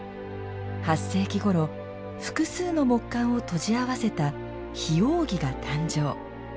８世紀ごろ複数の木簡をとじ合せた「檜扇」が誕生。